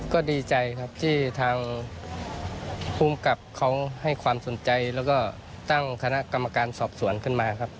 ก็ดีใจครับที่ทางภูมิกับเขาให้ความสนใจแล้วก็ตั้งคณะกรรมการสอบสวนขึ้นมาครับ